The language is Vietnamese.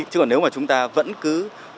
chứ nếu mà chúng ta vẫn cứ